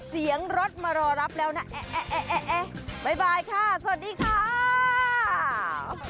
เสียงรถมารอรับแล้วนะแอ๊ะบ๊ายบายค่ะสวัสดีค่ะ